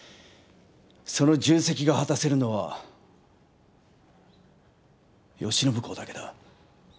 その重責が果たせるのは慶喜公だけだ。